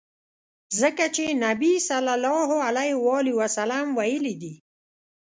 ځکه چي نبي ص ویلي دي.